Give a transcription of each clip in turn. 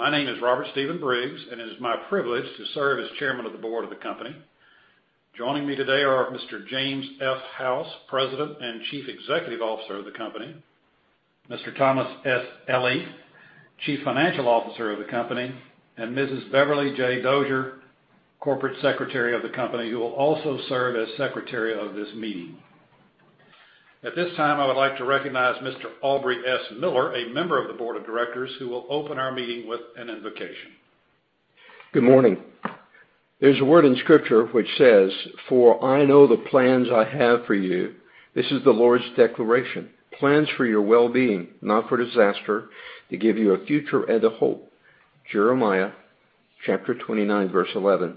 My name is Robert Stephen Briggs, and it is my privilege to serve as Chairman of the Board of the company. Joining me today are Mr. James F. House, President and Chief Executive Officer of the company, Mr. Thomas S. Elley, Chief Financial Officer of the company, and Mrs. Beverly J. Dozier, Corporate Secretary of the company, who will also serve as Secretary of this meeting. At this time, I would like to recognize Mr. Aubrey S. Miller, a member of the Board of Directors, who will open our meeting with an invocation. Good morning. There's a word in scripture which says, "For I know the plans I have for you," this is the Lord's declaration. "Plans for your well-being, not for disaster, to give you a future and a hope." Jeremiah chapter 29, verse 11.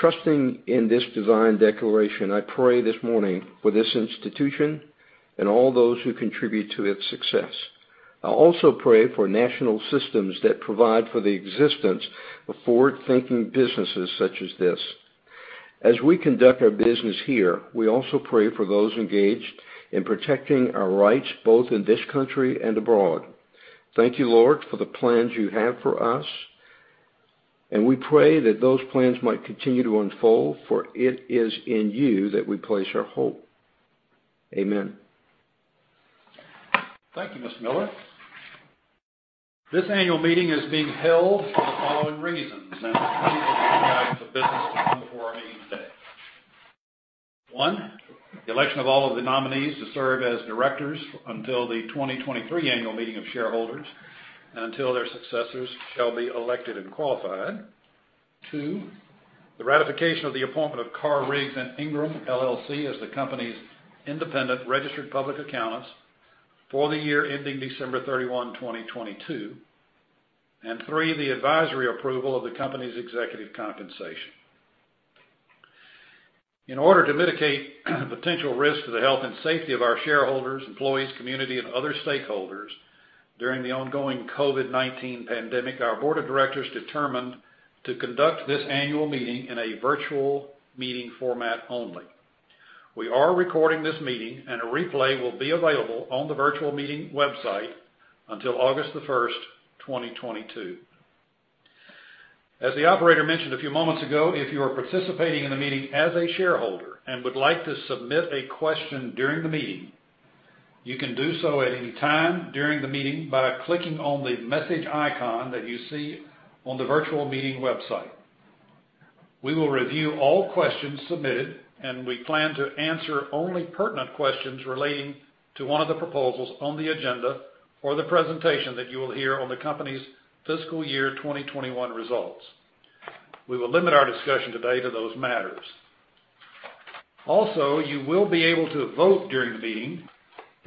Trusting in this divine declaration, I pray this morning for this institution and all those who contribute to its success. I also pray for national systems that provide for the existence of forward-thinking businesses such as this. As we conduct our business here, we also pray for those engaged in protecting our rights, both in this country and abroad. Thank you, Lord, for the plans you have for us, and we pray that those plans might continue to unfold, for it is in you that we place our hope. Amen. Thank you, Mr. Miller. This annual meeting is being held for the following reasons, and items of business to come before our meeting today. One, the election of all of the nominees to serve as directors until the 2023 annual meeting of shareholders, until their successors shall be elected and qualified. Two, the ratification of the appointment of Carr, Riggs & Ingram, LLC, as the company's independent registered public accountants for the year ending December 31, 2022. Three, the advisory approval of the company's executive compensation. In order to mitigate potential risks to the health and safety of our shareholders, employees, community, and other stakeholders during the ongoing COVID-19 pandemic, our Board of Directors determined to conduct this annual meeting in a virtual meeting format only. We are recording this meeting, and a replay will be available on the virtual meeting website until August 1st, 2022. As the operator mentioned a few moments ago, if you are participating in the meeting as a shareholder and would like to submit a question during the meeting, you can do so at any time during the meeting by clicking on the message icon that you see on the Virtual Meeting website. We will review all questions submitted, and we plan to answer only pertinent questions relating to one of the proposals on the agenda or the presentation that you will hear on the company's fiscal year 2021 results. We will limit our discussion today to those matters. Also, you will be able to vote during the meeting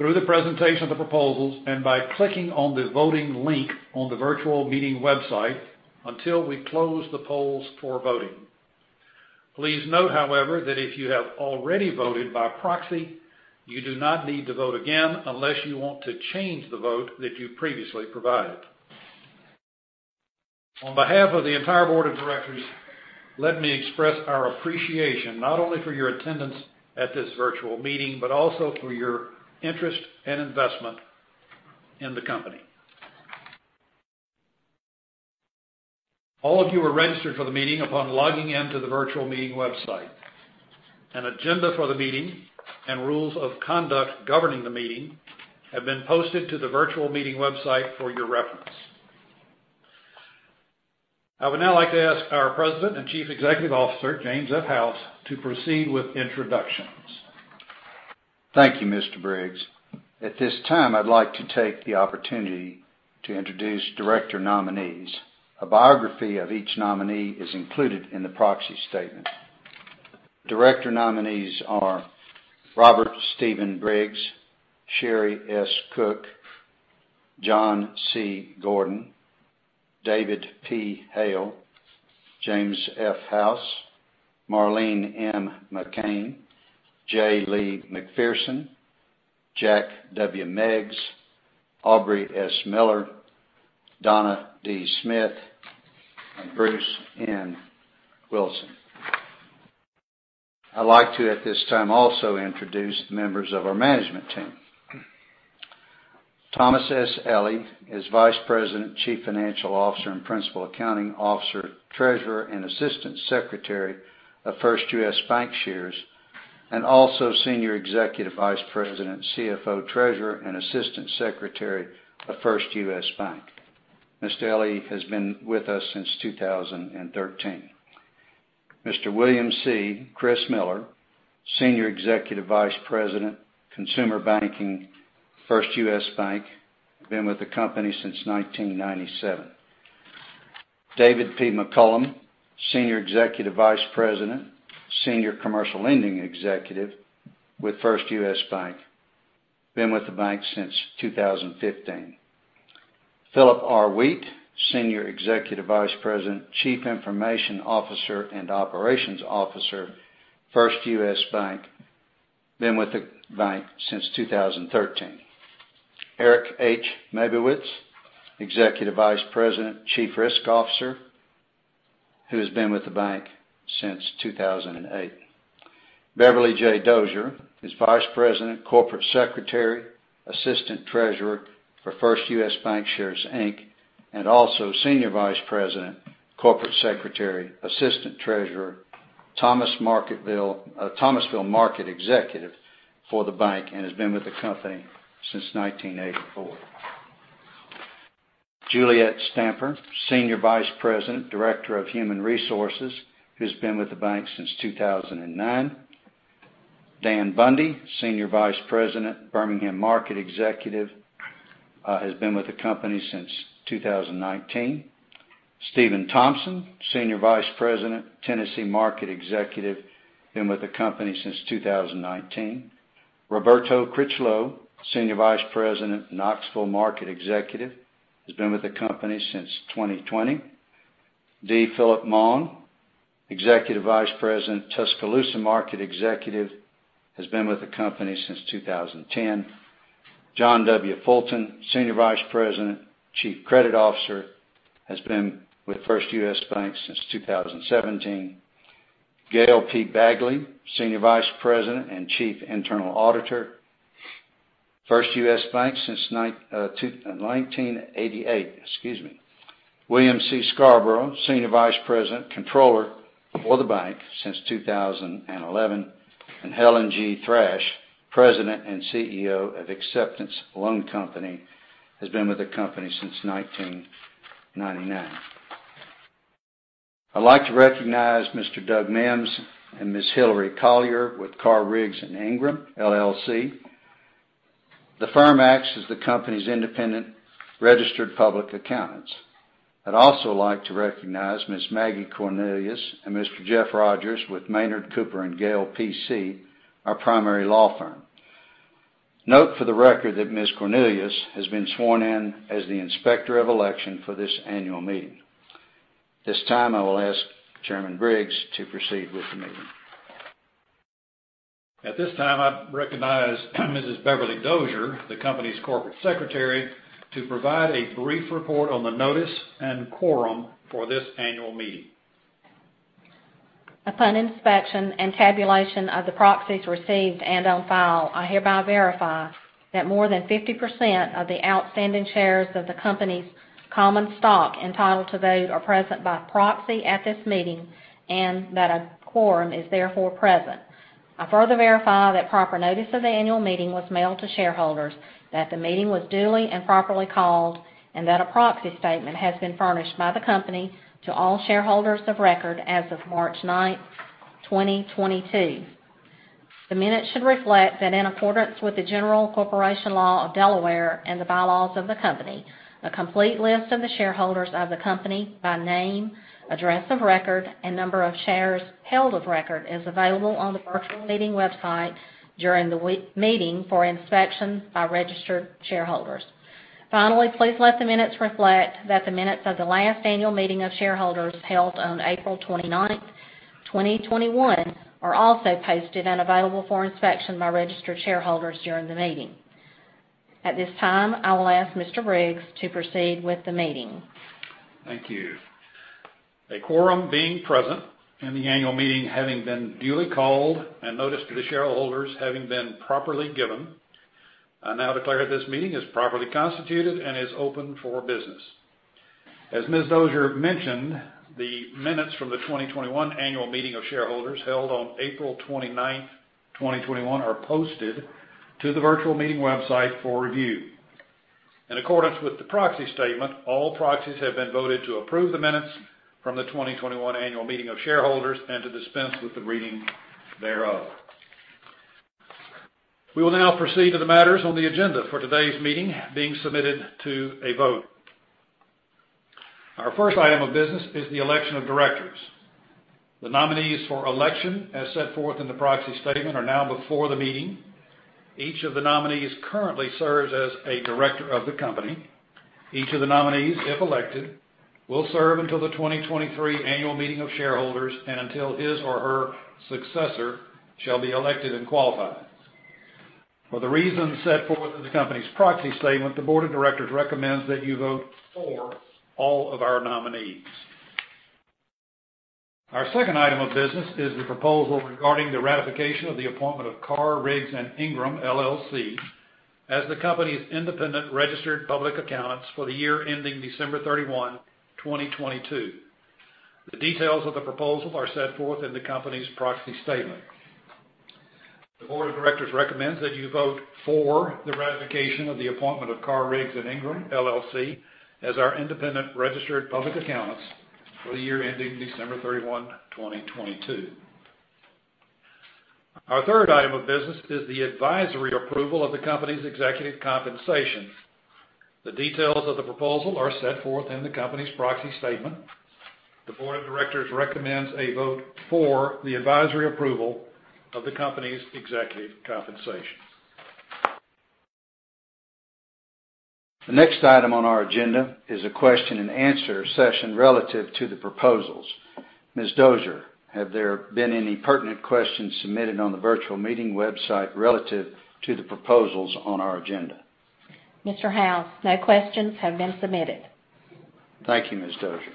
through the presentation of the proposals and by clicking on the voting link on the virtual meeting website until we close the polls for voting. Please note, however, that if you have already voted by proxy, you do not need to vote again unless you want to change the vote that you previously provided. On behalf of the entire Board of Directors, let me express our appreciation not only for your attendance at this virtual meeting, but also for your interest and investment in the company. All of you are registered for the meeting upon logging in to the virtual meeting website. An agenda for the meeting and rules of conduct governing the meeting have been posted to the virtual meeting website for your reference. I would now like to ask our President and Chief Executive Officer, James F. House. House, to proceed with introductions. Thank you, Mr. Briggs. At this time, I'd like to take the opportunity to introduce director nominees. A biography of each nominee is included in the proxy statement. Director nominees are Robert Stephen Briggs, Sheri S. Cook, John C. Gordon, David P. Hale, James F. House, Marlene M. McCain, J. Lee McPherson, Jack W. Meggs, Aubrey S. Miller, Donna D. Smith, and Bruce N. Wilson. I'd like to at this time also introduce members of our management team. Thomas S. Elley is Vice President, Chief Financial Officer, and Principal Accounting Officer, Treasurer, and Assistant Secretary of First US Bancshares, and also Senior Executive Vice President, CFO, Treasurer, and Assistant Secretary of First US Bank. Mr. Elley has been with us since 2013. Mr. William C. Mitchell, Senior Executive Vice President, Consumer Banking, First US Bank, been with the company since 1997. David P. McCullum, Senior Executive Vice President, Senior Commercial Lending Executive with First US Bank, been with the bank since 2015. Philip R. Wheat, Senior Executive Vice President, Chief Information Officer and Operations Officer, First US Bank, been with the bank since 2013. Eric H. Mabowitz, Executive Vice President, Chief Risk Officer, who has been with the bank since 2008. Beverly J. Dozier is Vice President, Corporate Secretary, Assistant Treasurer for First US Bancshares, Inc. Also Senior Vice President, Corporate Secretary, Assistant Treasurer, Thomasville Market Executive for the bank, and has been with the company since 1984. Juliet Stamper, Senior Vice President, Director of Human Resources, who's been with the bank since 2009. Dan Bundy, Senior Vice President, Birmingham Market Executive, has been with the company since 2019. Steven Thompson, Senior Vice President, Tennessee Market Executive, been with the company since 2019. Roberto Critchlow, Senior Vice President, Knoxville Market Executive, has been with the company since 2020. D. Phillip Maughan, Executive Vice President, Tuscaloosa Market Executive, has been with the company since 2010. John W. Fulton, Senior Vice President, Chief Credit Officer, has been with First US Bank since 2017. Gail P. Bagley, Senior Vice President and Chief Internal Auditor, First US Bank since 1988. Excuse me. William C. Scarborough, Senior Vice President, Comptroller for the bank since 2011. Helen G. Thrash, President and CEO of Acceptance Loan Company, has been with the company since 1999. I'd like to recognize Mr. Doug Mims and Ms. Hillary Collier with Carr, Riggs & Ingram, LLC. The firm acts as the company's independent registered public accountants. I'd also like to recognize Ms. Maggie Cornelius and Mr. Jeff Rogers with Maynard, Cooper & Gale, P.C., our primary law firm. Note for the record that Ms. Cornelius has been sworn in as the Inspector of Election for this annual meeting. At this time, I will ask Chairman Briggs to proceed with the meeting. At this time, I recognize Mrs. Beverly J. Dozier, the company's corporate secretary, to provide a brief report on the notice and quorum for this annual meeting. Upon inspection and tabulation of the proxies received and on file, I hereby verify that more than 50% of the outstanding shares of the company's common stock entitled to vote are present by proxy at this meeting, and that a quorum is therefore present. I further verify that proper notice of the annual meeting was mailed to shareholders, that the meeting was duly and properly called, and that a proxy statement has been furnished by the company to all shareholders of record as of March ninth, 2022. The minutes should reflect that in accordance with the General Corporation Law of Delaware and the bylaws of the company, a complete list of the shareholders of the company by name, address of record, and number of shares held of record is available on the virtual meeting website during the meeting for inspection by registered shareholders. Finally, please let the minutes reflect that the minutes of the last annual meeting of shareholders held on April twenty-ninth, twenty twenty-one, are also posted and available for inspection by registered shareholders during the meeting. At this time, I will ask Mr. Briggs to proceed with the meeting. Thank you. A quorum being present and the annual meeting having been duly called and notice to the shareholders having been properly given, I now declare this meeting is properly constituted and is open for business. As Ms. Dozier mentioned, the minutes from the 2021 annual meeting of shareholders held on April 29, 2021, are posted to the virtual meeting website for review. In accordance with the proxy statement, all proxies have been voted to approve the minutes from the 2021 annual meeting of shareholders and to dispense with the reading thereof. We will now proceed to the matters on the agenda for today's meeting being submitted to a vote. Our first item of business is the election of directors. The nominees for election, as set forth in the proxy statement, are now before the meeting. Each of the nominees currently serves as a director of the company. Each of the nominees, if elected, will serve until the 2023 annual meeting of shareholders and until his or her successor shall be elected and qualified. For the reasons set forth in the company's proxy statement, the board of directors recommends that you vote for all of our nominees. Our second item of business is the proposal regarding the ratification of the appointment of Carr, Riggs & Ingram, LLC as the company's independent registered public accountants for the year ending December 31, 2022. The details of the proposal are set forth in the company's proxy statement. The board of directors recommends that you vote for the ratification of the appointment of Carr, Riggs & Ingram, LLC as our independent registered public accountants for the year ending December 31, 2022. Our third item of business is the advisory approval of the company's executive compensation. The details of the proposal are set forth in the company's proxy statement. The board of directors recommends a vote for the advisory approval of the company's executive compensation. The next item on our agenda is a question and answer session relative to the proposals. Ms. Dozier, have there been any pertinent questions submitted on the virtual meeting website relative to the proposals on our agenda? Mr. House, no questions have been submitted. Thank you, Ms. Dozier.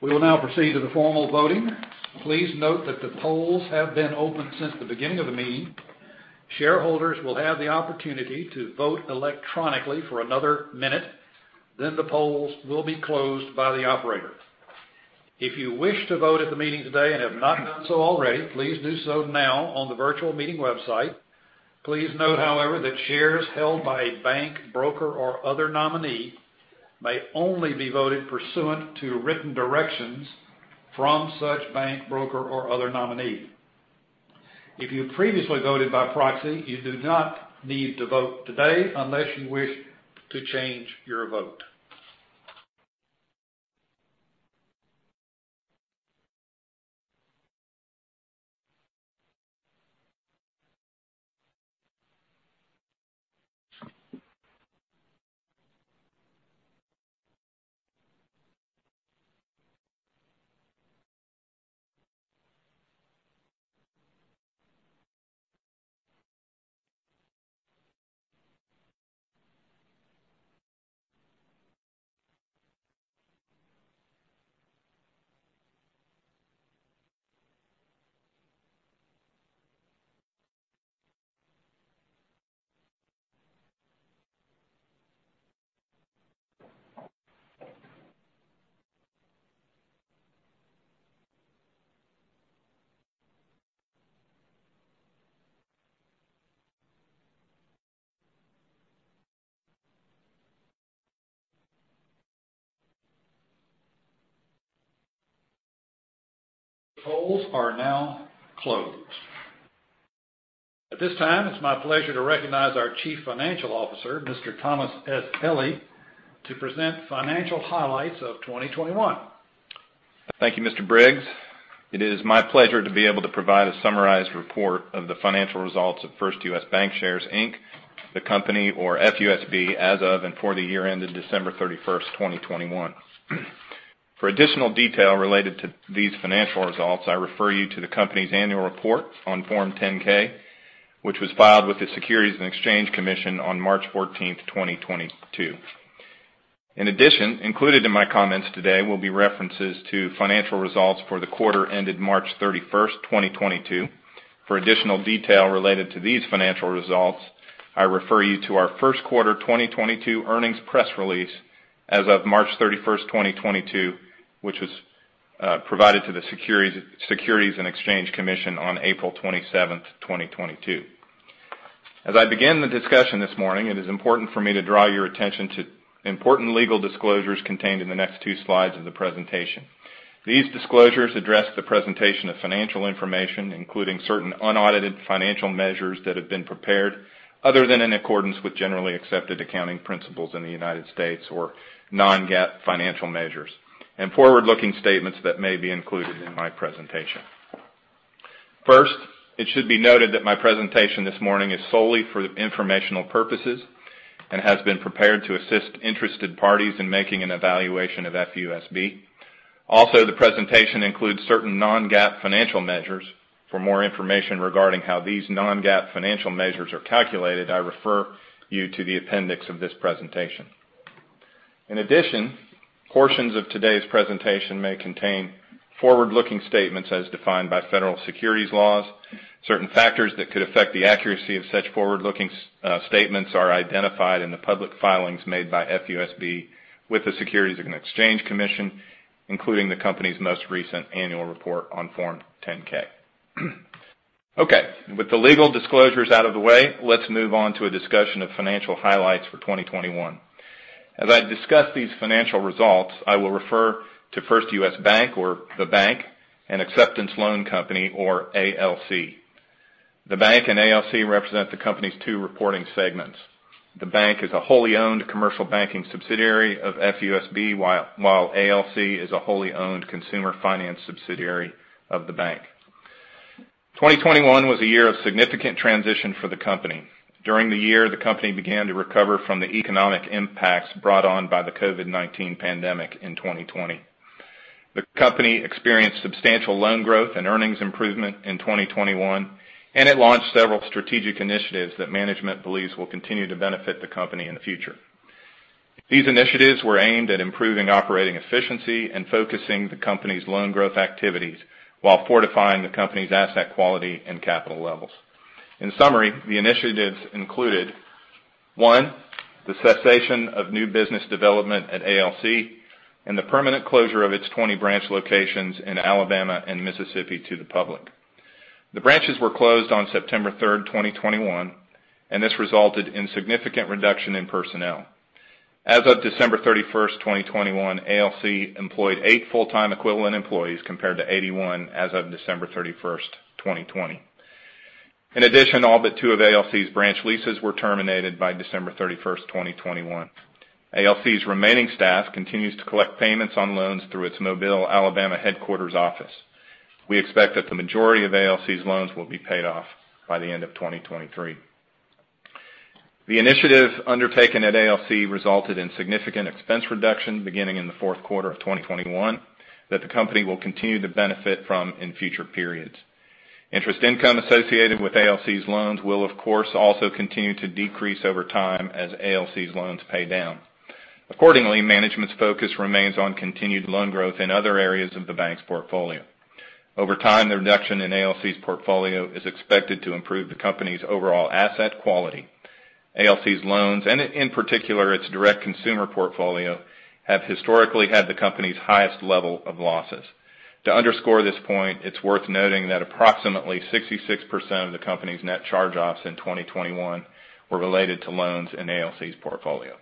We will now proceed to the formal voting. Please note that the polls have been open since the beginning of the meeting. Shareholders will have the opportunity to vote electronically for another minute, then the polls will be closed by the operator. If you wish to vote at the meeting today and have not done so already, please do so now on the virtual meeting website. Please note, however, that shares held by a bank, broker, or other nominee may only be voted pursuant to written directions from such bank, broker, or other nominee. If you previously voted by proxy, you do not need to vote today unless you wish to change your vote. The polls are now closed. At this time, it's my pleasure to recognize our Chief Financial Officer, Mr. Thomas S. Elley, to present financial highlights of 2021. Thank you, Mr. Briggs. It is my pleasure to be able to provide a summarized report of the financial results of First US Bancshares, Inc., the company or FUSB, as of and for the year ended December 31, 2021. For additional detail related to these financial results, I refer you to the company's annual report on Form 10-K, which was filed with the Securities and Exchange Commission on March 14, 2022. In addition, included in my comments today will be references to financial results for the quarter ended March 31st, 2022. For additional detail related to these financial results, I refer you to our first quarter 2022 earnings press release as of March 31st, 2022, which was provided to the Securities and Exchange Commission on April 27, 2022. As I begin the discussion this morning, it is important for me to draw your attention to important legal disclosures contained in the next two slides of the presentation. These disclosures address the presentation of financial information, including certain unaudited financial measures that have been prepared other than in accordance with generally accepted accounting principles in the United States or non-GAAP financial measures and forward-looking statements that may be included in my presentation. First, it should be noted that my presentation this morning is solely for informational purposes and has been prepared to assist interested parties in making an evaluation of FUSB. Also, the presentation includes certain non-GAAP financial measures. For more information regarding how these non-GAAP financial measures are calculated, I refer you to the appendix of this presentation. In addition, portions of today's presentation may contain forward-looking statements as defined by federal securities laws. Certain factors that could affect the accuracy of such forward-looking statements are identified in the public filings made by FUSB with the Securities and Exchange Commission, including the company's most recent annual report on Form 10-K. Okay, with the legal disclosures out of the way, let's move on to a discussion of financial highlights for 2021. As I discuss these financial results, I will refer to First US Bank or the bank and Acceptance Loan Company or ALC. The bank and ALC represent the company's two reporting segments. The bank is a wholly owned commercial banking subsidiary of FUSB, while ALC is a wholly owned consumer finance subsidiary of the bank. 2021 was a year of significant transition for the company. During the year, the company began to recover from the economic impacts brought on by the COVID-19 pandemic in 2020. The company experienced substantial loan growth and earnings improvement in 2021, and it launched several strategic initiatives that management believes will continue to benefit the company in the future. These initiatives were aimed at improving operating efficiency and focusing the company's loan growth activities while fortifying the company's asset quality and capital levels. In summary, the initiatives included, one, the cessation of new business development at ALC and the permanent closure of its 20 branch locations in Alabama and Mississippi to the public. The branches were closed on September 3rd, 2021, and this resulted in significant reduction in personnel. As of December 31st, 2021, ALC employed eight full-time equivalent employees compared to 81 as of December 31st, 2020. In addition, all but two of ALC's branch leases were terminated by December 31st, 2021. ALC's remaining staff continues to collect payments on loans through its Mobile, Alabama headquarters office. We expect that the majority of ALC's loans will be paid off by the end of 2023. The initiative undertaken at ALC resulted in significant expense reduction beginning in the fourth quarter of 2021 that the company will continue to benefit from in future periods. Interest income associated with ALC's loans will, of course, also continue to decrease over time as ALC's loans pay down. Accordingly, management's focus remains on continued loan growth in other areas of the bank's portfolio. Over time, the reduction in ALC's portfolio is expected to improve the company's overall asset quality. ALC's loans, and in particular, its direct consumer portfolio, have historically had the company's highest level of losses. To underscore this point, it's worth noting that approximately 66% of the company's net charge-offs in 2021 were related to loans in ALC's portfolio.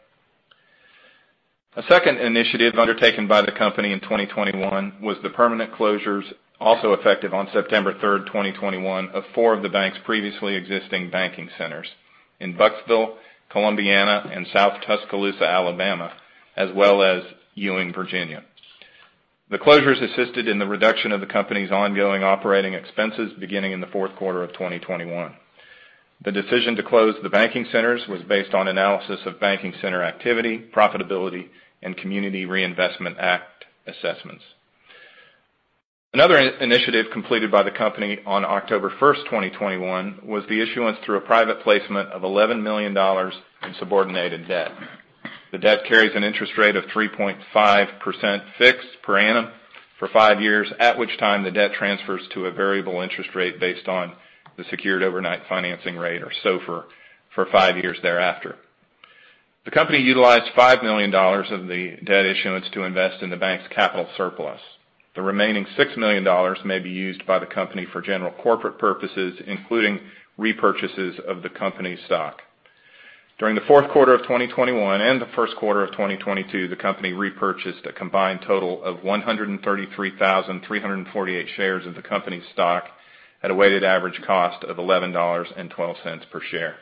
A second initiative undertaken by the company in 2021 was the permanent closures, also effective on September 3rd, 2021, of 4 of the bank's previously existing banking centers in Bucksville, Columbiana, and South Tuscaloosa, Alabama, as well as Ewing, Virginia. The closures assisted in the reduction of the company's ongoing operating expenses beginning in the fourth quarter of 2021. The decision to close the banking centers was based on analysis of banking center activity, profitability, and Community Reinvestment Act assessments. Another initiative completed by the company on October 1st, 2021, was the issuance through a private placement of $11 million in subordinated debt. The debt carries an interest rate of 3.5% fixed per annum for five years, at which time the debt transfers to a variable interest rate based on the secured overnight financing rate, or SOFR, for five years thereafter. The company utilized $5 million of the debt issuance to invest in the bank's capital surplus. The remaining $6 million may be used by the company for general corporate purposes, including repurchases of the company's stock. During the fourth quarter of 2021 and the first quarter of 2022, the company repurchased a combined total of 133,348 shares of the company's stock at a weighted average cost of $11.12 per share.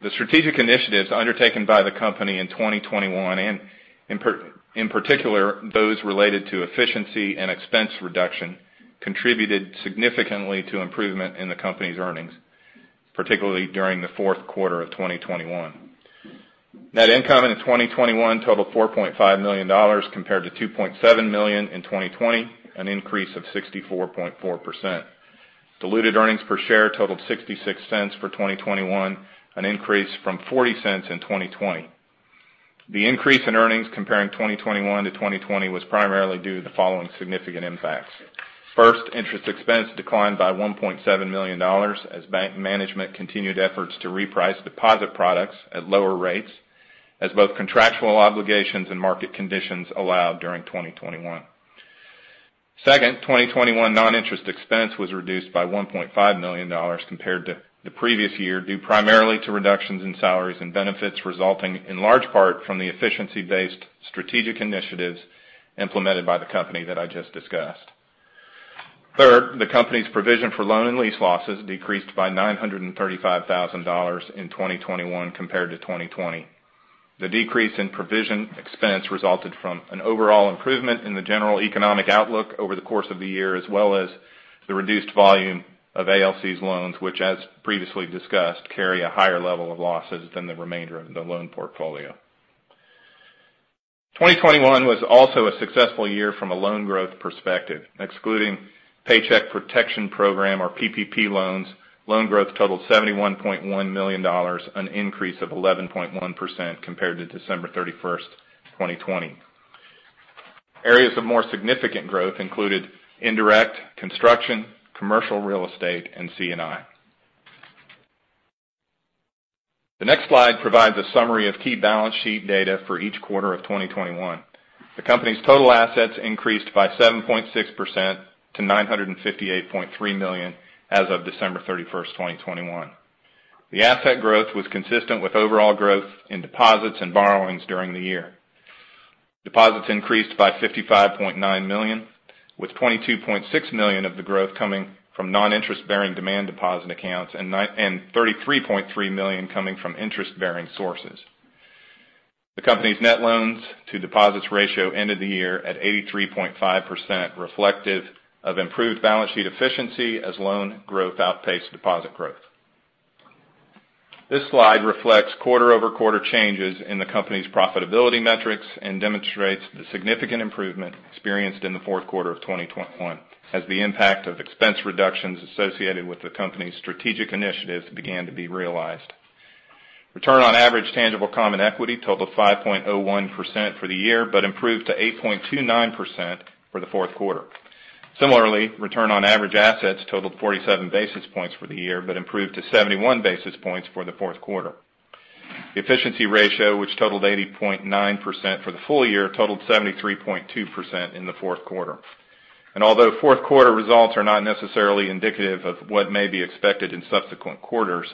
The strategic initiatives undertaken by the company in 2021, in particular, those related to efficiency and expense reduction, contributed significantly to improvement in the company's earnings, particularly during the fourth quarter of 2021. Net income in 2021 totaled $4.5 million compared to $2.7 million in 2020, an increase of 64.4%. Diluted earnings per share totaled $0.66 for 2021, an increase from $0.40 in 2020. The increase in earnings comparing 2021 to 2020 was primarily due to the following significant impacts. First, interest expense declined by $1.7 million as bank management continued efforts to reprice deposit products at lower rates, as both contractual obligations and market conditions allowed during 2021. Second, 2021 non-interest expense was reduced by $1.5 million compared to the previous year, due primarily to reductions in salaries and benefits, resulting in large part from the efficiency-based strategic initiatives implemented by the company that I just discussed. Third, the company's provision for loan and lease losses decreased by $935,000 in 2021 compared to 2020. The decrease in provision expense resulted from an overall improvement in the general economic outlook over the course of the year, as well as the reduced volume of ALC's loans, which, as previously discussed, carry a higher level of losses than the remainder of the loan portfolio. 2021 was also a successful year from a loan growth perspective. Excluding Paycheck Protection Program or PPP loans, loan growth totaled $71.1 million, an increase of 11.1% compared to December 31st, 2020. Areas of more significant growth included indirect construction, commercial real estate, and C&I. The next slide provides a summary of key balance sheet data for each quarter of 2021. The company's total assets increased by 7.6% to $958.3 million as of December 31st, 2021. The asset growth was consistent with overall growth in deposits and borrowings during the year. Deposits increased by $55.9 million, with $22.6 million of the growth coming from non-interest-bearing demand deposit accounts and $33.3 million coming from interest-bearing sources. The company's net loans to deposits ratio ended the year at 83.5%, reflective of improved balance sheet efficiency as loan growth outpaced deposit growth. This slide reflects quarter-over-quarter changes in the company's profitability metrics and demonstrates the significant improvement experienced in the fourth quarter of 2021 as the impact of expense reductions associated with the company's strategic initiatives began to be realized. Return on average tangible common equity totaled 5.01% for the year, but improved to 8.29% for the fourth quarter. Similarly, return on average assets totaled 47 basis points for the year, but improved to 71 basis points for the fourth quarter. The efficiency ratio, which totaled 80.9% for the full year, totaled 73.2% in the fourth quarter. Although fourth quarter results are not necessarily indicative of what may be expected in subsequent quarters,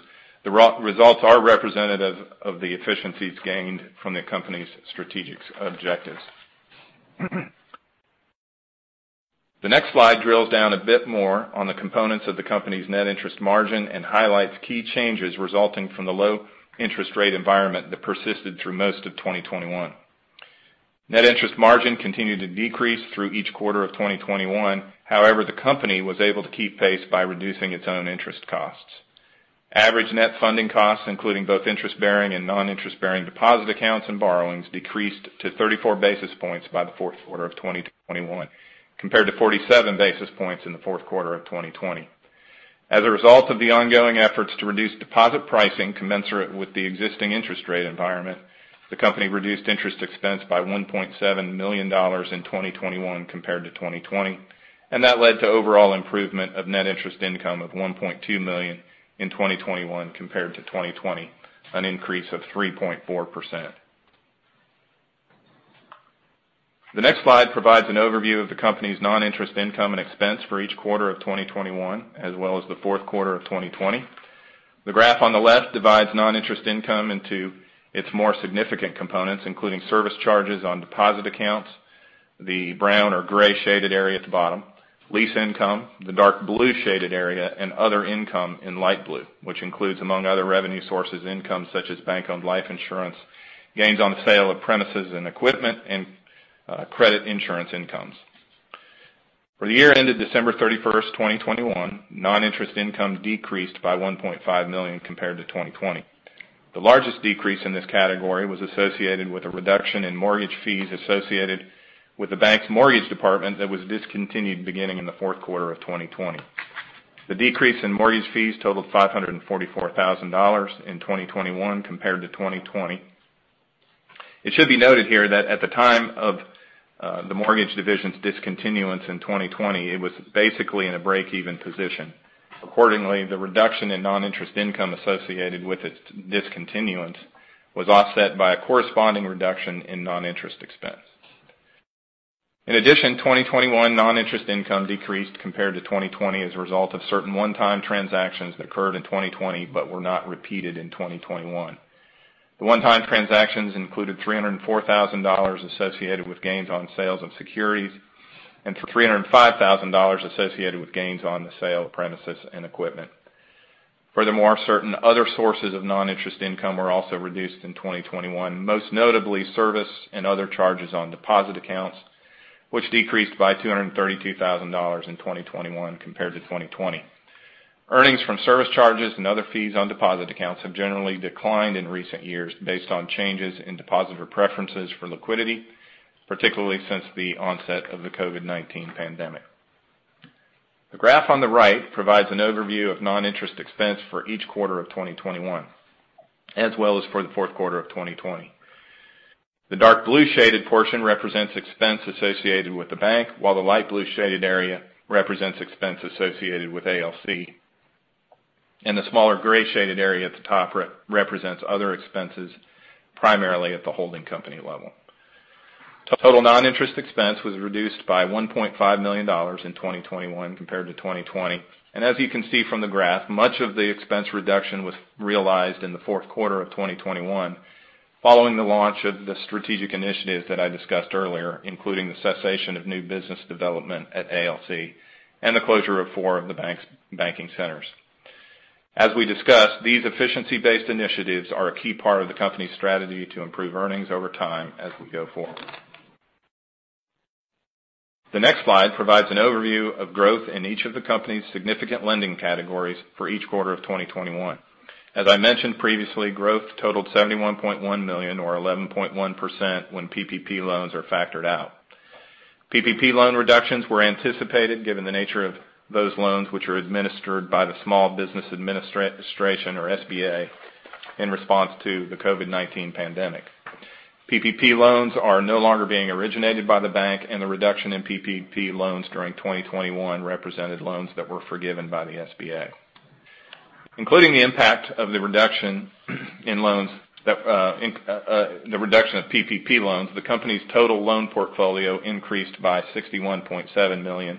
the results are representative of the efficiencies gained from the company's strategic objectives. The next slide drills down a bit more on the components of the company's net interest margin and highlights key changes resulting from the low interest rate environment that persisted through most of 2021. Net interest margin continued to decrease through each quarter of 2021. However, the company was able to keep pace by reducing its own interest costs. Average net funding costs, including both interest-bearing and non-interest-bearing deposit accounts and borrowings, decreased to 34 basis points by the fourth quarter of 2021, compared to 47 basis points in the fourth quarter of 2020. As a result of the ongoing efforts to reduce deposit pricing commensurate with the existing interest rate environment, the company reduced interest expense by $1.7 million in 2021 compared to 2020, and that led to overall improvement of net interest income of $1.2 million in 2021 compared to 2020, an increase of 3.4%. The next slide provides an overview of the company's non-interest income and expense for each quarter of 2021, as well as the fourth quarter of 2020. The graph on the left divides non-interest income into its more significant components, including service charges on deposit accounts, the brown or gray shaded area at the bottom, lease income, the dark blue shaded area, and other income in light blue, which includes among other revenue sources, income such as bank-owned life insurance, gains on the sale of premises and equipment, and credit insurance incomes. For the year ended December 31st, 2021, non-interest income decreased by $1.5 million compared to 2020. The largest decrease in this category was associated with a reduction in mortgage fees associated with the bank's mortgage department that was discontinued beginning in the fourth quarter of 2020. The decrease in mortgage fees totaled $544,000 in 2021 compared to 2020. It should be noted here that at the time of the mortgage division's discontinuance in 2020, it was basically in a break-even position. Accordingly, the reduction in non-interest income associated with its discontinuance was offset by a corresponding reduction in non-interest expense. In addition, 2021 non-interest income decreased compared to 2020 as a result of certain one-time transactions that occurred in 2020 but were not repeated in 2021. The one-time transactions included $304,000 associated with gains on sales of securities, and $305,000 associated with gains on the sale of premises and equipment. Furthermore, certain other sources of non-interest income were also reduced in 2021, most notably service and other charges on deposit accounts, which decreased by $232,000 in 2021 compared to 2020. Earnings from service charges and other fees on deposit accounts have generally declined in recent years based on changes in depositor preferences for liquidity, particularly since the onset of the COVID-19 pandemic. The graph on the right provides an overview of non-interest expense for each quarter of 2021, as well as for the fourth quarter of 2020. The dark blue shaded portion represents expense associated with the bank, while the light blue shaded area represents expense associated with ALC. The smaller gray shaded area at the top represents other expenses, primarily at the holding company level. Total non-interest expense was reduced by $1.5 million in 2021 compared to 2020. As you can see from the graph, much of the expense reduction was realized in the fourth quarter of 2021 following the launch of the strategic initiatives that I discussed earlier, including the cessation of new business development at ALC and the closure of four of the bank's banking centers. As we discussed, these efficiency-based initiatives are a key part of the company's strategy to improve earnings over time as we go forward. The next slide provides an overview of growth in each of the company's significant lending categories for each quarter of 2021. As I mentioned previously, growth totaled $71.1 million or 11.1% when PPP loans are factored out. PPP loan reductions were anticipated given the nature of those loans, which are administered by the Small Business Administration or SBA in response to the COVID-19 pandemic. PPP loans are no longer being originated by the bank, and the reduction in PPP loans during 2021 represented loans that were forgiven by the SBA. Including the impact of the reduction of PPP loans, the company's total loan portfolio increased by $61.7 million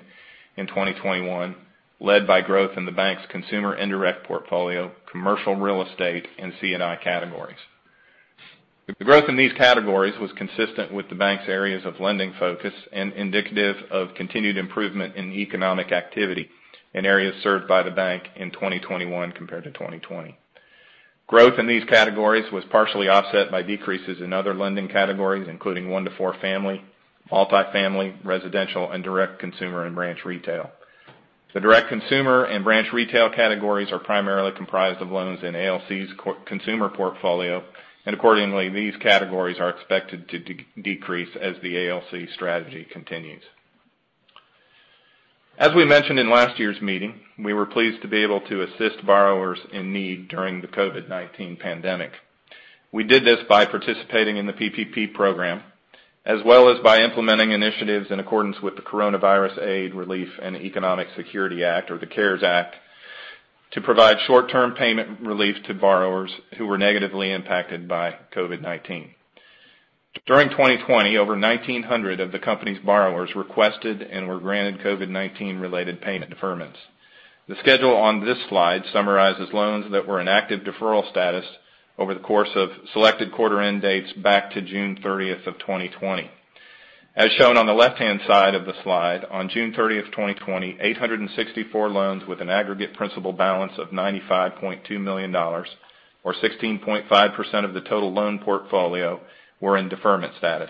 in 2021, led by growth in the bank's consumer indirect portfolio, commercial real estate, and C&I categories. The growth in these categories was consistent with the bank's areas of lending focus and indicative of continued improvement in economic activity in areas served by the bank in 2021 compared to 2020. Growth in these categories was partially offset by decreases in other lending categories, including one to four, multi-family, residential, and direct consumer and branch retail. The direct consumer and branch retail categories are primarily comprised of loans in ALC's co-consumer portfolio, and accordingly, these categories are expected to decrease as the ALC strategy continues. As we mentioned in last year's meeting, we were pleased to be able to assist borrowers in need during the COVID-19 pandemic. We did this by participating in the PPP program, as well as by implementing initiatives in accordance with the Coronavirus Aid, Relief, and Economic Security Act, or the CARES Act, to provide short-term payment relief to borrowers who were negatively impacted by COVID-19. During 2020, over 1,900 of the company's borrowers requested and were granted COVID-19-related payment deferments. The schedule on this slide summarizes loans that were in active deferral status over the course of selected quarter-end dates back to June 30th, 2020. As shown on the left-hand side of the slide, on June 30, 2020, 864 loans with an aggregate principal balance of $95.2 million or 16.5% of the total loan portfolio were in deferment status.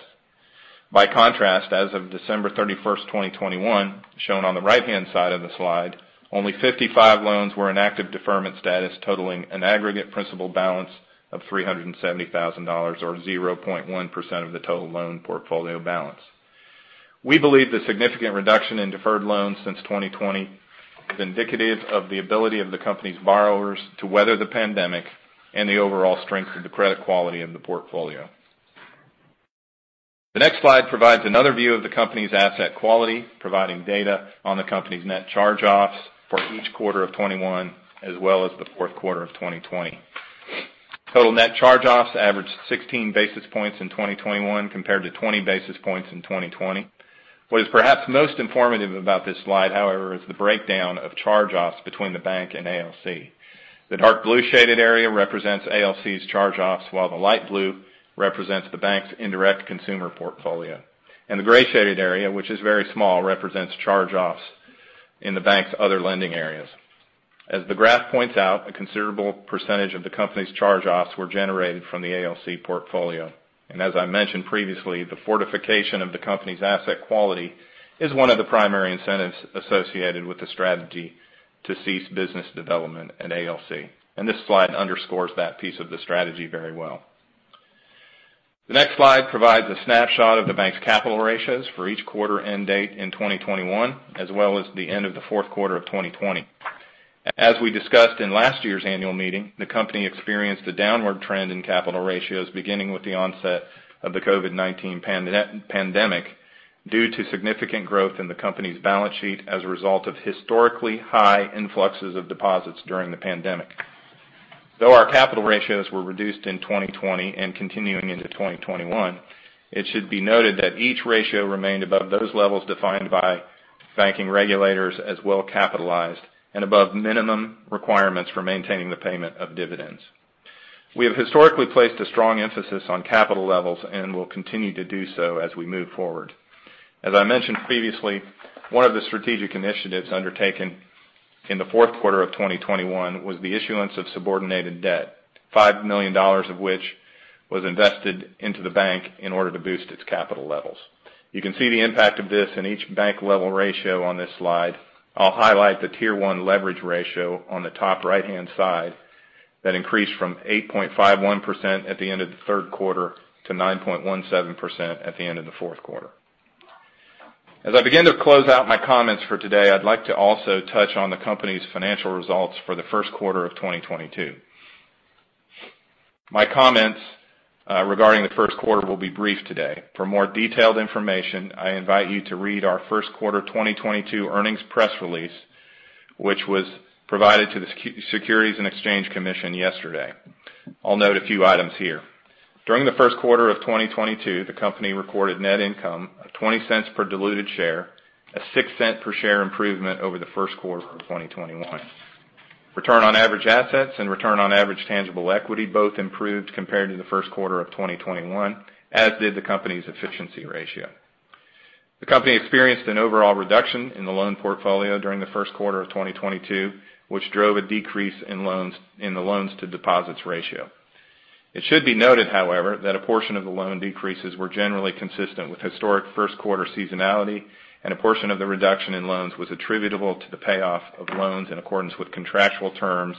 By contrast, as of December 31st, 2021, shown on the right-hand side of the slide, only 55 loans were in active deferment status, totaling an aggregate principal balance of $370,000, or 0.1% of the total loan portfolio balance. We believe the significant reduction in deferred loans since 2020 is indicative of the ability of the company's borrowers to weather the pandemic and the overall strength of the credit quality of the portfolio. The next slide provides another view of the company's asset quality, providing data on the company's net charge-offs for each quarter of 2021 as well as the fourth quarter of 2020. Total net charge-offs averaged 16 basis points in 2021 compared to 20 basis points in 2020. What is perhaps most informative about this slide, however, is the breakdown of charge-offs between the bank and ALC. The dark blue shaded area represents ALC's charge-offs, while the light blue represents the bank's indirect consumer portfolio. The gray shaded area, which is very small, represents charge-offs in the bank's other lending areas. As the graph points out, a considerable percentage of the company's charge-offs were generated from the ALC portfolio. As I mentioned previously, the fortification of the company's asset quality is one of the primary incentives associated with the strategy to cease business development at ALC. This slide underscores that piece of the strategy very well. The next slide provides a snapshot of the bank's capital ratios for each quarter end date in 2021, as well as the end of the fourth quarter of 2020. As we discussed in last year's annual meeting, the company experienced a downward trend in capital ratios beginning with the onset of the COVID-19 pandemic due to significant growth in the company's balance sheet as a result of historically high influxes of deposits during the pandemic. Though our capital ratios were reduced in 2020 and continuing into 2021, it should be noted that each ratio remained above those levels defined by banking regulators as well-capitalized and above minimum requirements for maintaining the payment of dividends. We have historically placed a strong emphasis on capital levels and will continue to do so as we move forward. As I mentioned previously, one of the strategic initiatives undertaken in the fourth quarter of 2021 was the issuance of subordinated debt, $5 million of which was invested into the bank in order to boost its capital levels. You can see the impact of this in each bank level ratio on this slide. I'll highlight the Tier 1 leverage ratio on the top right-hand side that increased from 8.51% at the end of the third quarter to 9.17% at the end of the fourth quarter. As I begin to close out my comments for today, I'd like to also touch on the company's financial results for the first quarter of 2022. My comments regarding the first quarter will be brief today. For more detailed information, I invite you to read our first quarter 2022 earnings press release, which was provided to the Securities and Exchange Commission yesterday. I'll note a few items here. During the first quarter of 2022, the company recorded net income of $0.20 per diluted share, a $0.06 per share improvement over the first quarter of 2021. Return on average assets and return on average tangible equity both improved compared to the first quarter of 2021, as did the company's efficiency ratio. The company experienced an overall reduction in the loan portfolio during the first quarter of 2022, which drove a decrease in the loans-to-deposits ratio. It should be noted, however, that a portion of the loan decreases were generally consistent with historic first quarter seasonality, and a portion of the reduction in loans was attributable to the payoff of loans in accordance with contractual terms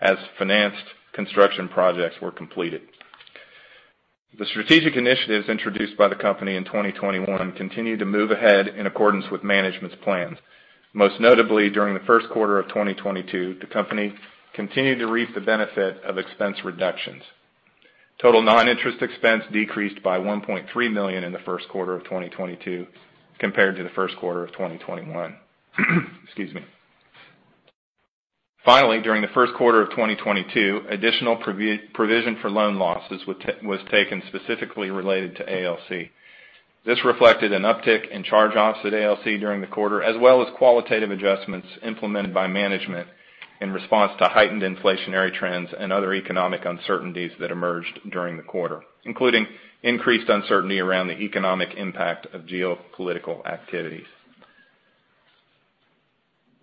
as financed construction projects were completed. The strategic initiatives introduced by the company in 2021 continue to move ahead in accordance with management's plans. Most notably, during the first quarter of 2022, the company continued to reap the benefit of expense reductions. Total non-interest expense decreased by $1.3 million in the first quarter of 2022 compared to the first quarter of 2021. Excuse me. Finally, during the first quarter of 2022, additional provision for loan losses was taken specifically related to ALC. This reflected an uptick in charge-offs at ALC during the quarter, as well as qualitative adjustments implemented by management in response to heightened inflationary trends and other economic uncertainties that emerged during the quarter, including increased uncertainty around the economic impact of geopolitical activities.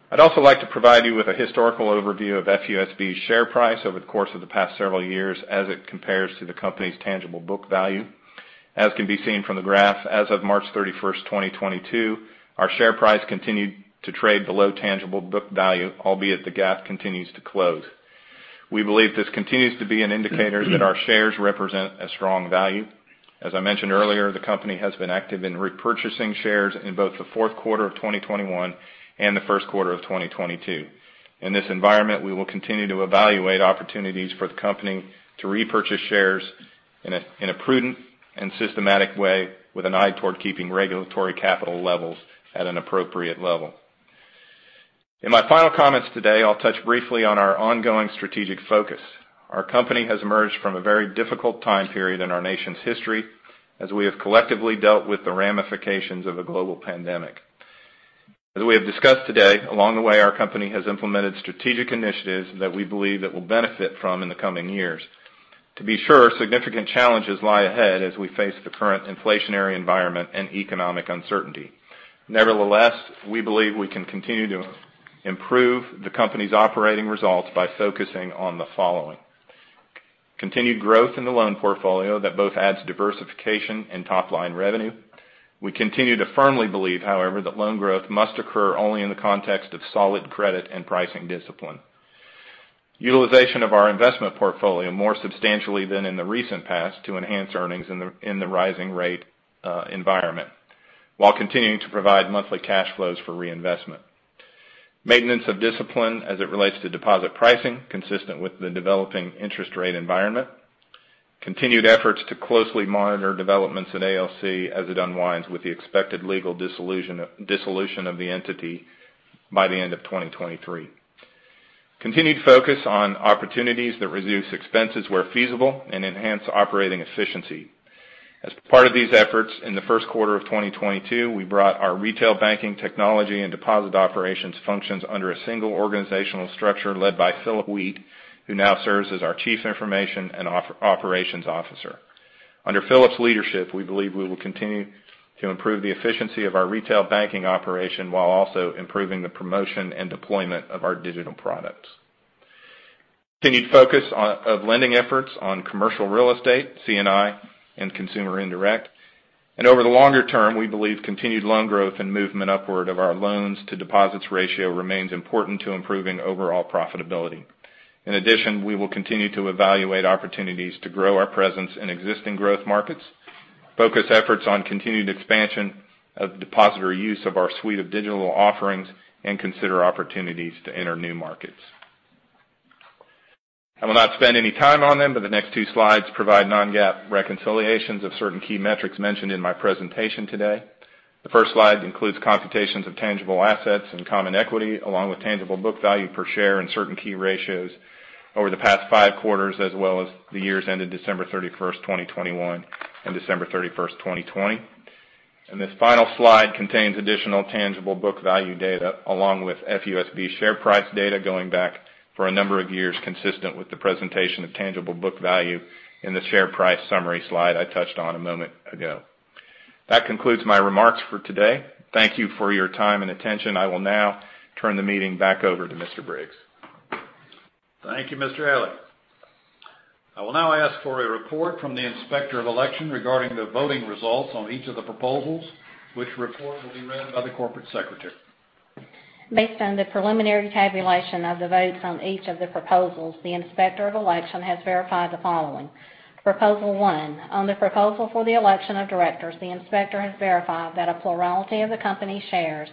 I'd also like to provide you with a historical overview of FUSB's share price over the course of the past several years as it compares to the company's tangible book value. As can be seen from the graph, as of March 31st, 2022, our share price continued to trade below tangible book value, albeit the gap continues to close. We believe this continues to be an indicator that our shares represent a strong value. As I mentioned earlier, the company has been active in repurchasing shares in both the fourth quarter of 2021 and the first quarter of 2022. In this environment, we will continue to evaluate opportunities for the company to repurchase shares in a prudent and systematic way with an eye toward keeping regulatory capital levels at an appropriate level. In my final comments today, I'll touch briefly on our ongoing strategic focus. Our company has emerged from a very difficult time period in our nation's history as we have collectively dealt with the ramifications of a global pandemic. As we have discussed today, along the way, our company has implemented strategic initiatives that we believe it will benefit from in the coming years. To be sure, significant challenges lie ahead as we face the current inflationary environment and economic uncertainty. Nevertheless, we believe we can continue to improve the company's operating results by focusing on the following. Continued growth in the loan portfolio that both adds diversification and top-line revenue. We continue to firmly believe, however, that loan growth must occur only in the context of solid credit and pricing discipline. Utilization of our investment portfolio more substantially than in the recent past to enhance earnings in the rising rate environment while continuing to provide monthly cash flows for reinvestment. Maintenance of discipline as it relates to deposit pricing consistent with the developing interest rate environment. Continued efforts to closely monitor developments at ALC as it unwinds with the expected legal dissolution of the entity by the end of 2023. Continued focus on opportunities that reduce expenses where feasible and enhance operating efficiency. As part of these efforts, in the first quarter of 2022, we brought our retail banking technology and deposit operations functions under a single organizational structure led by Philip R. Wheat, who now serves as our Chief Information and Operations Officer. Under Philip's leadership, we believe we will continue to improve the efficiency of our retail banking operation while also improving the promotion and deployment of our digital products. Continued focus on lending efforts on commercial real estate, C&I, and consumer indirect. Over the longer term, we believe continued loan growth and movement upward of our loans to deposits ratio remains important to improving overall profitability. In addition, we will continue to evaluate opportunities to grow our presence in existing growth markets, focus efforts on continued expansion of depositor use of our suite of digital offerings, and consider opportunities to enter new markets. I will not spend any time on them, but the next two slides provide non-GAAP reconciliations of certain key metrics mentioned in my presentation today. The first slide includes computations of tangible assets and common equity, along with tangible book value per share and certain key ratios over the past five quarters, as well as the years ending December 31st, 2021 and December 31st 2020. This final slide contains additional tangible book value data, along with FUSB share price data going back for a number of years, consistent with the presentation of tangible book value in the share price summary slide I touched on a moment ago. That concludes my remarks for today. Thank you for your time and attention. I will now turn the meeting back over to Mr. Briggs. Thank you, Mr. Elley. I will now ask for a report from the Inspector of Election regarding the voting results on each of the proposals, which report will be read by the Corporate Secretary. Based on the preliminary tabulation of the votes on each of the proposals, the Inspector of Election has verified the following. Proposal one, on the proposal for the election of directors, the inspector has verified that a plurality of the company's shares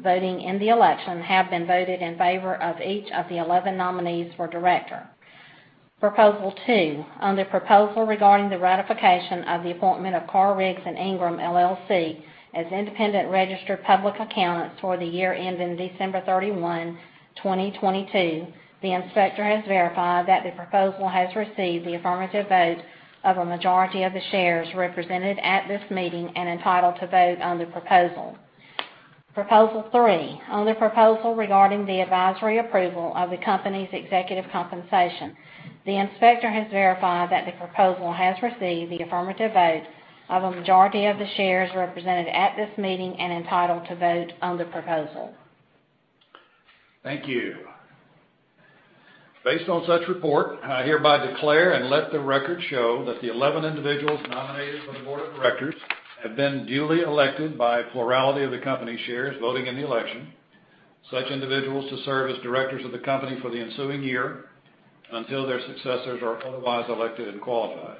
voting in the election have been voted in favor of each of the 11 nominees for director. Proposal two, on the proposal regarding the ratification of the appointment of Carr, Riggs & Ingram, LLC as independent registered public accountants for the year ending December 31, 2022, the inspector has verified that the proposal has received the affirmative vote of a majority of the shares represented at this meeting and entitled to vote on the proposal. Proposal three, on the proposal regarding the advisory approval of the company's executive compensation, the inspector has verified that the proposal has received the affirmative vote of a majority of the shares represented at this meeting and entitled to vote on the proposal. Thank you. Based on such report, I hereby declare and let the record show that the 11 individuals nominated for the board of directors have been duly elected by a plurality of the company's shares voting in the election, such individuals to serve as directors of the company for the ensuing year until their successors are otherwise elected and qualified.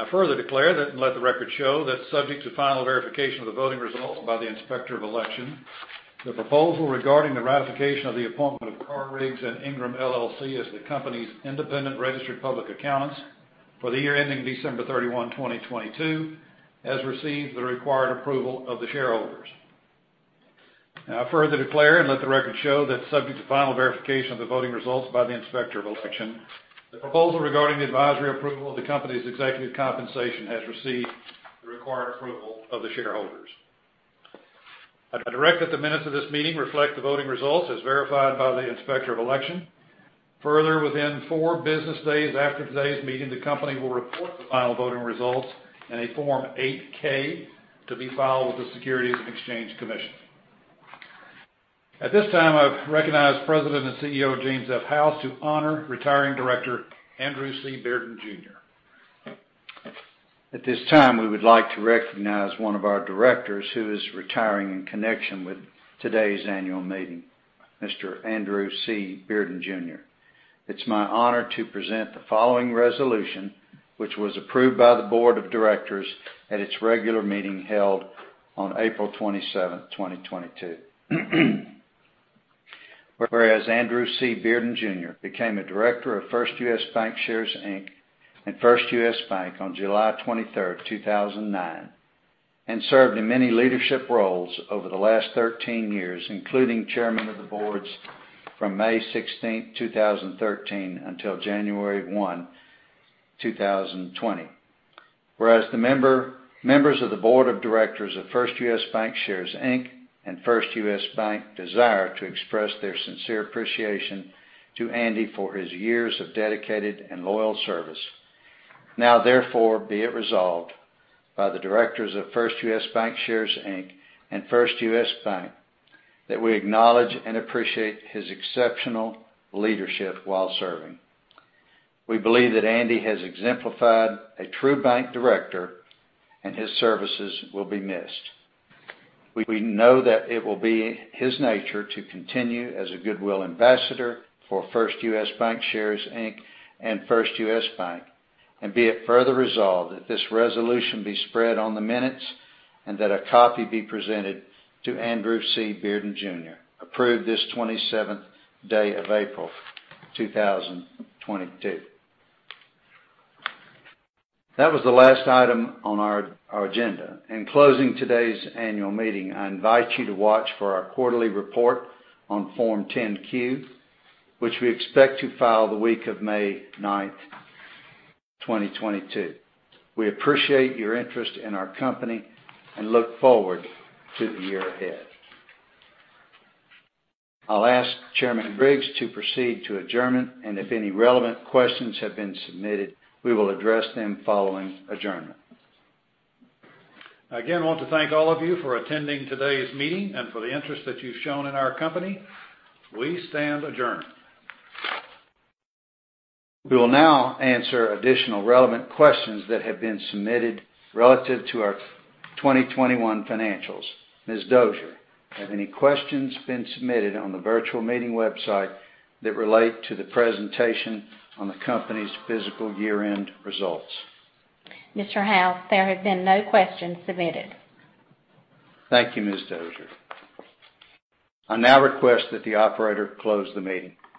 I further declare that, and let the record show that, subject to final verification of the voting results by the Inspector of Election, the proposal regarding the ratification of the appointment of Carr, Riggs & Ingram, LLC as the company's independent registered public accountants for the year ending December 31, 2022, has received the required approval of the shareholders. Now, I further declare and let the record show that subject to final verification of the voting results by the Inspector of Election, the proposal regarding the advisory approval of the company's executive compensation has received the required approval of the shareholders. I direct that the minutes of this meeting reflect the voting results as verified by the Inspector of Election. Further, within four business days after today's meeting, the company will report the final voting results in a Form 8-K to be filed with the Securities and Exchange Commission. At this time, I recognize President and CEO James F. House to honor retiring director Andrew C. Bearden, Jr. At this time, we would like to recognize one of our directors who is retiring in connection with today's annual meeting, Mr. Andrew C. Bearden, Jr. It's my honor to present the following resolution, which was approved by the board of directors at its regular meeting held on April 27, 2022. Whereas Andrew C. Bearden, Jr. became a director of First US Bancshares, Inc. and First US Bank on July 23rd, 2009, and served in many leadership roles over the last 13 years, including chairman of the boards from May 16, 2013 until January 1, 2020. Whereas the members of the board of directors of First US Bancshares, Inc. and First US Bank desire to express their sincere appreciation to Andy for his years of dedicated and loyal service. Now therefore, be it resolved by the directors of First US Bancshares, Inc. and First US Bank that we acknowledge and appreciate his exceptional leadership while serving. We believe that Andy has exemplified a true bank director, and his services will be missed. We know that it will be his nature to continue as a goodwill ambassador for First US Bancshares, Inc. and First US Bank, and be it further resolved that this resolution be spread on the minutes and that a copy be presented to Andrew C. Bearden, Jr. Approved this 27th day of April, 2022. That was the last item on our agenda. In closing today's annual meeting, I invite you to watch for our quarterly report on Form 10-Q, which we expect to file the week of May 9, 2022. We appreciate your interest in our company and look forward to the year ahead. I'll ask Chairman Briggs to proceed to adjournment, and if any relevant questions have been submitted, we will address them following adjournment. I again want to thank all of you for attending today's meeting and for the interest that you've shown in our company. We stand adjourned. We will now answer additional relevant questions that have been submitted relative to our 2021 financials. Ms. Dozier, have any questions been submitted on the virtual meeting website that relate to the presentation on the company's fiscal year-end results? Mr. House, there have been no questions submitted. Thank you, Ms. Dozier. I now request that the operator close the meeting.